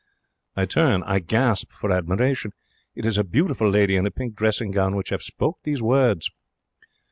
I turn. I gasp for admiration. It is a beautiful lady in a pink dressing gown which 'ave spoken these words.